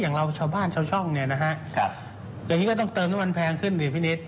อย่างเราชาวบ้านชาวช่องเนี่ยนะฮะอย่างนี้ก็ต้องเติมน้ำมันแพงขึ้นดิพี่นิด